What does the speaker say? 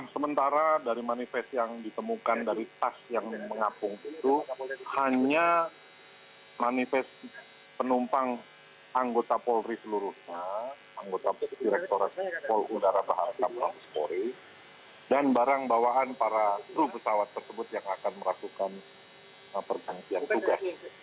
sementara dari manifest yang ditemukan dari tas yang mengapung itu hanya manifest penumpang anggota polri seluruhnya anggota direktur pol udara bahasa polri dan barang bawaan para tru pesawat tersebut yang akan merasukan pergantian juga